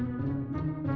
tidak ada apa apa